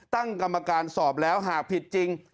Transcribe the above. ตั้งกรรมการสอบแล้วหากผิดจริง